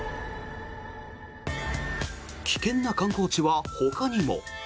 危険な観光地は、ほかにも。